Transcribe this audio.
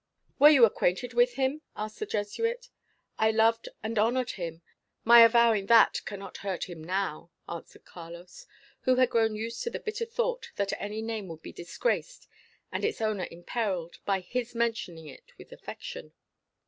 "Were you acquainted with him?" asked the Jesuit. "I loved and honoured him. My avowing that cannot hurt him now," answered Carlos, who had grown used to the bitter thought that any name would be disgraced, and its owner imperilled, by his mentioning it with affection.